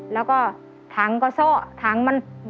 แล้วก็ถังก็โซ่ถังมัน